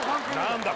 何だ